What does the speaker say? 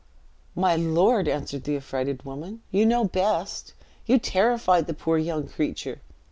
"My lord," answered the affrighted woman, "you know best. You terrified the poor young creature.